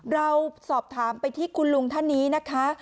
เราสอบถามไปที่คุณลุงท่านนี้นะคะ